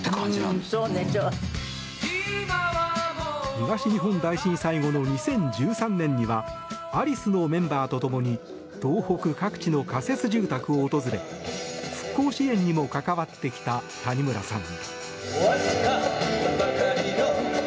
東日本大震災後の２０１３年にはアリスのメンバーとともに東北各地の仮設住宅を訪れ復興支援にも関わってきた谷村さん。